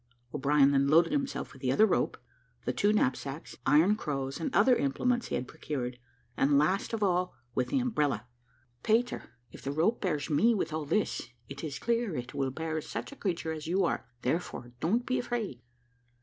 O'Brien then loaded himself with the other rope, the two knapsacks, iron crows, and other implements he had procured; and, last of all, with the umbrella. "Peter, if the rope bears me with all this, it is clear it will bear such a creature as you are, therefore don't be afraid."